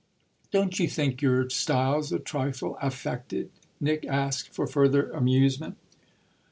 "Don't you think your style's a trifle affected?" Nick asked for further amusement.